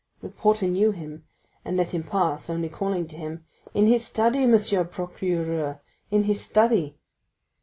The porter knew him, and let him pass, only calling to him: "In his study, Monsieur Procureur—in his study!"